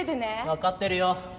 分かってるよ。